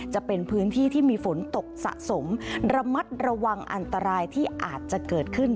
จะเป็นพื้นที่ที่มีฝนตกสะสมระมัดระวังอันตรายที่อาจจะเกิดขึ้น